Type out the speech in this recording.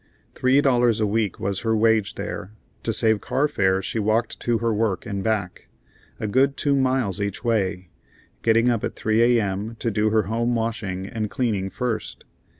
Three dollars a week was her wage there. To save car fare she walked to her work and back, a good two miles each way, getting up at 3 A.M. to do her home washing and cleaning first.